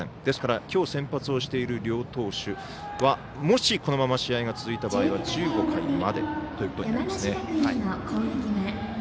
ですから今日先発をしている両投手はもしこのまま試合が続いた場合は１５回までとなりますね。